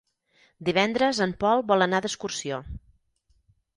Divendres en Pol vol anar d'excursió.